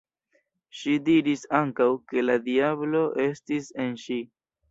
Ŝi diris ankaŭ, ke la diablo estis en ŝi.